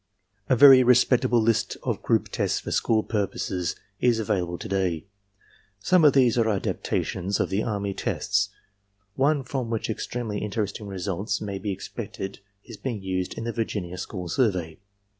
A very respectable list of group tests for school purposes is available to day. Some of these are adaptations of the army tests. One from which extremely interesting results may be expected is being used in the Virginia School Survey.